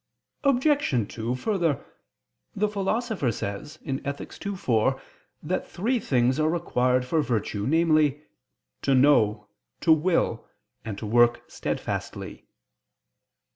Obj. 2: Further, the Philosopher says (Ethic. ii, 4) that three things are required for virtue, namely: "to know, to will, and to work steadfastly."